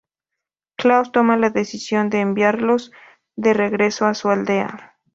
Claus toma la decisión de enviarlos de regreso a su aldea.